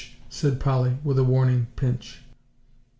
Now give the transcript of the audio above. said Polly, with a warning pinch.